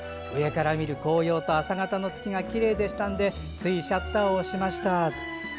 上から見る紅葉と朝方の月がきれいでしたのでついシャッターを押しました。